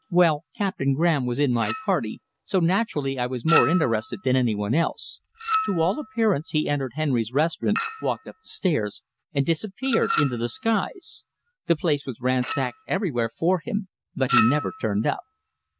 "Well, Captain Graham was in my party, so naturally I was more interested than any one else. To all appearance he entered Henry's Restaurant, walked up the stairs, and disappeared into the skies. The place was ransacked everywhere for him, but he never turned up.